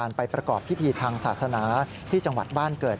ไปประกอบพิธีทางศาสนาที่จังหวัดบ้านเกิด